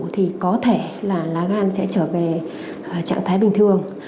thì có thể là lá gan sẽ trở về trạng thái bình thường